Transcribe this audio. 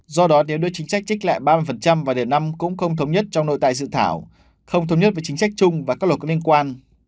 do đó nếu đưa chính sách trích lại ba mươi và để năm cũng không thống nhất trong nội tại dự thảo không thống nhất với chính sách chung và các luật có liên quan